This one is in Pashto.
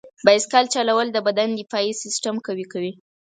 بایسکل چلول د بدن دفاعي سیستم قوي کوي.